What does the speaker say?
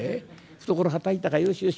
懐はたいたらよしよし。